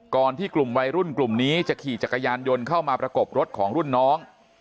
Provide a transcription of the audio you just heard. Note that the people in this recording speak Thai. ก่อนที่กลุ่มวัยรุ่นกลุ่มนี้จะขี่จักรยานยนต์เข้ามาประกบรถของรุ่นน้อง